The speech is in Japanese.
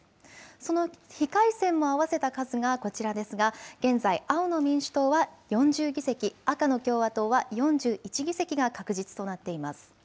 その非改選も合わせた数がこちらですが現在青の民主党は４０議席、赤の共和党は４１議席が確実となっています。